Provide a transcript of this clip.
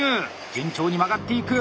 順調に曲がっていく。